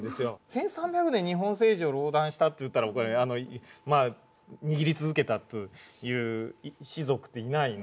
１，３００年日本政治を壟断したって言ったら握り続けたという氏族っていないので。